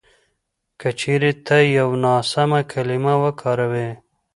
که چېرې ته یوه ناسمه کلیمه وکاروې